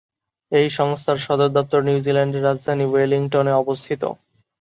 এই সংস্থার সদর দপ্তর নিউজিল্যান্ডের রাজধানী ওয়েলিংটনে অবস্থিত।